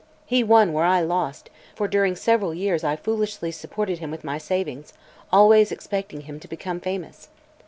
He won where I lost, for during several years I foolishly supported him with my savings, always expecting him to become famous.